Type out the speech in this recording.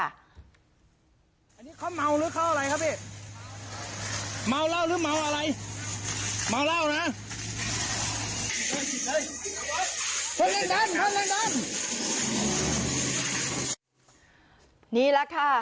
อันนี้เค้าเมาหรือเค้าอะไรครับพี่เมาเหล้าหรือเมาอะไรเมาเหล้านะ